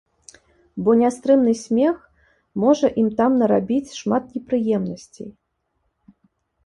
Бо нястрымны смех можа ім там нарабіць шмат непрыемнасцей.